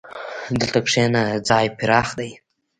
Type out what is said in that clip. دلته کښېنه، ځای پراخ دی.